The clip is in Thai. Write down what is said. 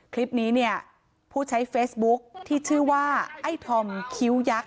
คลิปนี้เนี่ยผู้ใช้เฟซบุ๊คที่ชื่อว่าไอ้ทอมคิ้วยักษ